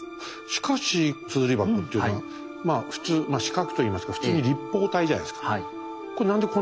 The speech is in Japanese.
しかし硯箱っていうのはまあ普通四角といいますか普通に立方体じゃないですか。